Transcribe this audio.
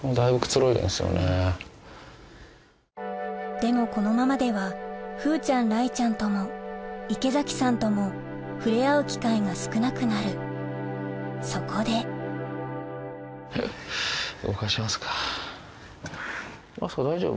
でもこのままでは風ちゃん雷ちゃんとも池崎さんとも触れ合う機会が少なくなるそこで明日香大丈夫？